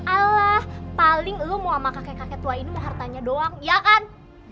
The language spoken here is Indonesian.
alah paling lu mau sama kakek kakek tua ini mau hartanya doang ya kan